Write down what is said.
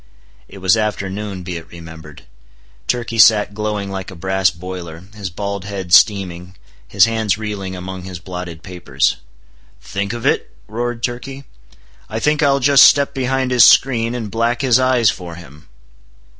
It was afternoon, be it remembered. Turkey sat glowing like a brass boiler, his bald head steaming, his hands reeling among his blotted papers. "Think of it?" roared Turkey; "I think I'll just step behind his screen, and black his eyes for him!"